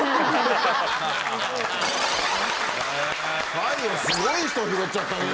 最後すごい人拾っちゃったね。